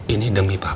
ini demi papa